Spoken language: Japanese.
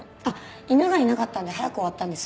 犬がいなかったんで早く終わったんです。